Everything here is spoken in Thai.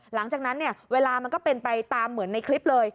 หลังจากนั้นเนี่ยเวลามันก็เป็นไปตามเหมือนในคลิปเลย